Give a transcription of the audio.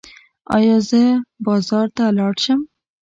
ایا زه بازار ته لاړ شم؟